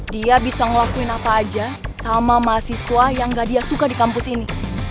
dia bisa ngelakuin apa aja sama mahasiswa yang gak dia suka di kampus ini